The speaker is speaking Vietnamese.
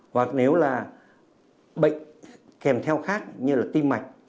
hoặc nếu là bệnh kèm theo khác như là tim mạch